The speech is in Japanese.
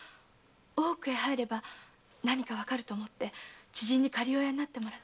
大奥へ入れば何かわかるかと知人に仮親になってもらい。